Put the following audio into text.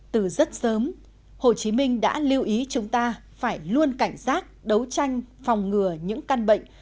từ rất sớm hồ chí minh đã lưu ý chúng ta phải luôn cảnh giác đấu tranh phòng ngừa những căn bệnh